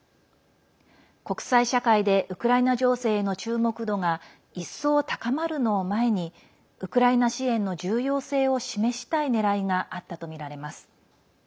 国際社会でウクライナ情勢への注目度が一層、高まるのを前にウクライナ支援の重要性を示したいねらいがあったとみられます。